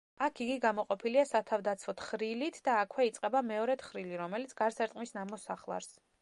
აქ იგი გამოყოფილია სათავდაცვო თხრილით და აქვე იწყება მეორე თხრილი, რომელიც გარს ერტყმის ნამოსახლარს.